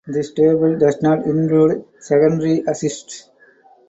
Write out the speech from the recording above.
This table does not include secondary assists.